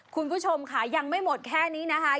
คุณผู้ชมค่ะยังไม่หมดแค่นี้นะคะ